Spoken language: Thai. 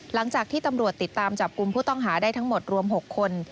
หลังจากที่ตำรวจติดตามจับกลุ่มผู้ต้องหาได้ทั้งหมดรวม๖คน